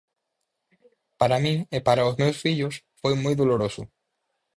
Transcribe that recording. Para min e para os meus fillos foi moi doloroso.